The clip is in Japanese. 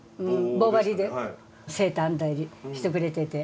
棒針でセーター編んだりしてくれてて。